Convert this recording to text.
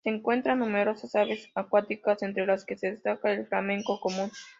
Se encuentran numerosas aves acuáticas, entre las que se destaca el flamenco común.